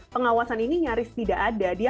pengawasan ini nyaris tidak ada dia